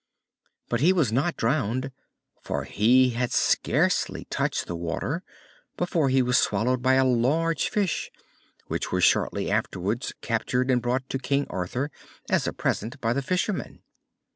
But he was not drowned, for he had scarcely touched the water before he was swallowed by a large fish, which was shortly afterwards captured and brought to King Arthur, as a present, by the fisherman.